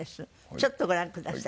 ちょっとご覧ください。